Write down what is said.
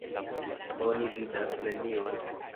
Oni vidas nenion.